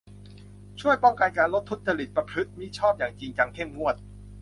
ช่วยป้องกันลดการทุจริตประพฤติมิชอบอย่างจริงจังเข้มงวด